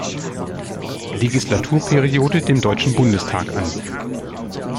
Legislaturperiode dem Deutschen Bundestag an.